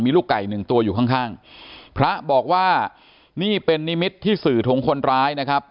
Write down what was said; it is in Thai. มีลูกไก่หนึ่งตัวอยู่ข้างข้างพระบอกว่านี่เป็นนิมิตที่สื่อของคนร้ายนะครับ